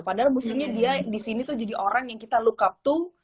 padahal mesti dia disini tuh jadi orang yang kita look up to